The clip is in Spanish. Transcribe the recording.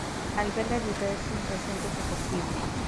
Alberga diversos recintos deportivos.